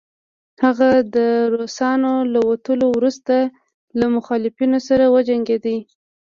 هغه د روسانو له وتلو وروسته له مخالفينو سره وجنګيد